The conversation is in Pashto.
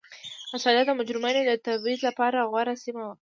اسټرالیا د مجرمینو د تبعید لپاره غوره سیمه وه.